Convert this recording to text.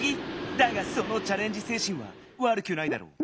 だがそのチャレンジせいしんはわるくないだろう。